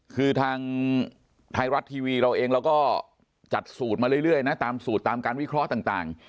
คือทางไทยรัฐทีวีเราเองเราก็จัดสูตรมาเรื่อยนะตามสูตรตามการวิเคราะห์ต่าง